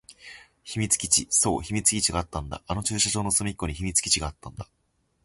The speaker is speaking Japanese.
秘密基地。そう、秘密基地があったんだ。あの駐車場の隅っこに秘密基地があったんだ。